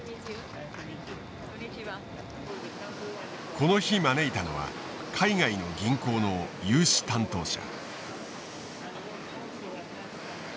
この日招いたのは海外の銀行の融資担当者。